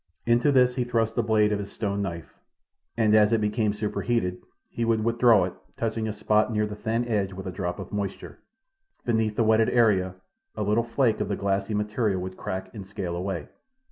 Into this he thrust the blade of his stone knife, and as it became superheated he would withdraw it, touching a spot near the thin edge with a drop of moisture. Beneath the wetted area a little flake of the glassy material would crack and scale away.